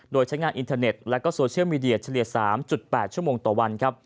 โดยใช้งานอินเทอร์เน็ตและโซเชียลมีเดียเฉลี่ย๓๘ชั่วโมงต่อวัน